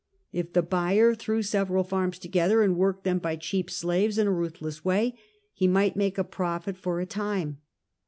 If the buyer threw several farms together, and worked them by cheap slaves in a ruthless way, he might make a profit for a time.